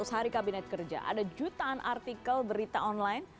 seratus hari kabinet kerja ada jutaan artikel berita online